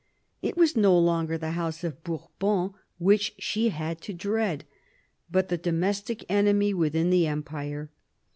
It was no longer the House of Bourbon which she had to dread, but the domestic enemy within the Empire.